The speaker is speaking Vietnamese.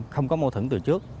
không có mâu thẩn từ trước